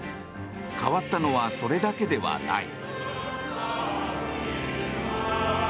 変わったのはそれだけではない。